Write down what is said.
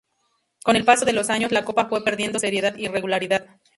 Con el paso de los años, la Copa fue perdiendo, seriedad y regularidad.